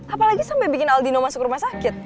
apalagi sampai bikin el dino masuk rumah sakit